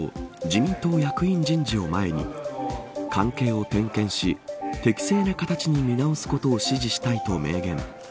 自民党役員人事を前に関係を点検し適正な形に見直すことを指示したいと明言。